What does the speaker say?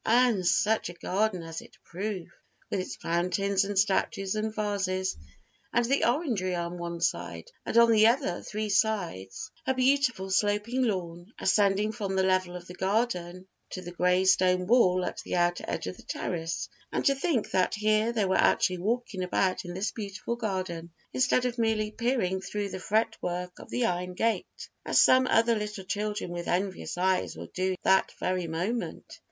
And such a garden as it proved! with its fountains and statues and vases, and the orangery on one side, and on the other three sides a beautiful sloping lawn, ascending from the level of the garden to the gray stonewall at the outer edge of the terrace; and to think that here they were actually walking about in this beautiful garden, instead of merely peering through the fretwork of the iron gate, as some other little children with envious eyes were doing that very moment.